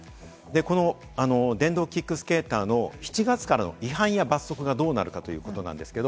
電動キックスケーターの７月からの違反や罰則がどうなるかということです。